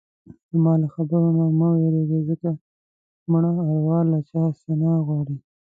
زما له خبرو نه مه وېرېږه ځکه مړه اروا له چا څه نه غواړي.